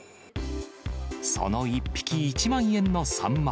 その１匹１万円のサンマ。